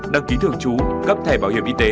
đăng ký thường trú cấp thẻ bảo hiểm y tế